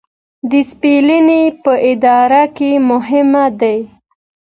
ډیسپلین په اداره کې مهم دی